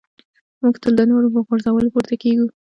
موږ تل د نورو په غورځولو پورته کېږو.